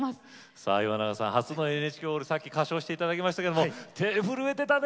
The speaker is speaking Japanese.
さあ岩永さん初のＮＨＫホール歌唱していただきましたが手震えてたね！